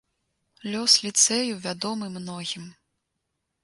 Лёс ліцэю вядомы многім.